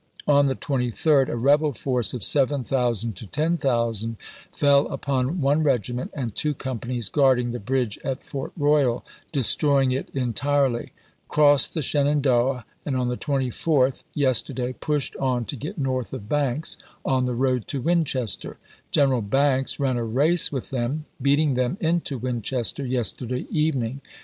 On the 23d a rebel force of 7000 to 10,000 fell upon one regiment and two companies guarding the bridge at Front Royal, de stroying it entirely ; crossed the Shenandoah, and on the 24th (yesterday) pushed on to get north of Banks, on the road to Winchester. General Banks ran a race with them, beating them into Winchester yesterday evening.